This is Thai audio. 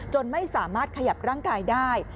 ไม่สามารถขยับร่างกายได้